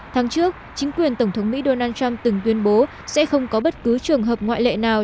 tháng trước chính quyền tổng thống mỹ donald trump từng tuyên bố sẽ không có bất cứ trường hợp ngoại lệ nào